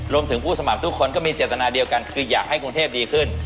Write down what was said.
ผู้สมัครทุกคนก็มีเจตนาเดียวกันคืออยากให้กรุงเทพดีขึ้น